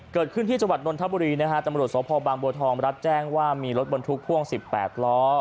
เกิดขึ้นที่จวัตรนทบุรีจำนวดสภพบางบัวทองรับแจ้งว่ามีรถบลทุกพ่วง๑๘ล้อ